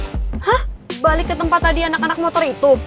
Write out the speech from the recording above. hah balik ke tempat tadi anak anak motor itu